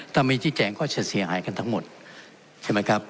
ถ้าไม่ชี้แจงก็จะเสียหายกันทั้งหมดใช่ไหมครับ